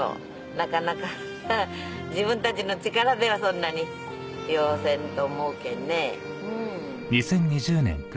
なかなか自分たちの力ではそんなにようせんと思うけんねうん。